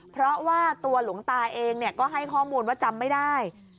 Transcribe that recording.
เพราะว่าตัวหลวงตาเองก็ให้ข้อมูลว่าจำไม่ได้